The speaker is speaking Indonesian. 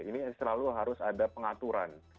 ini selalu harus ada pengaturan